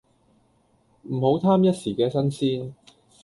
唔好貪一時既新鮮